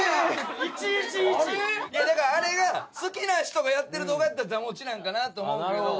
いやだからあれが好きな人がやってる動画やったら座持ちなんかなと思うけど。